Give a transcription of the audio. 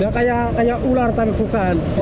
kayak ular tangkukan